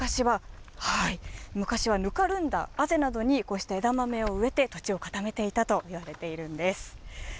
昔は、ぬかるんだあぜなどにこうした枝豆を植えて、土地を固めていたといわれているんです。